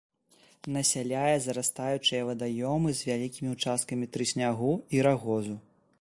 Насяляе зарастаючыя вадаёмы з вялікімі ўчасткамі трыснягу і рагозу.